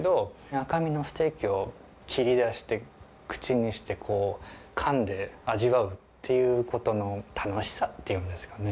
赤身のステーキを切り出して口にしてかんで味わうっていうことの楽しさっていうんですかね。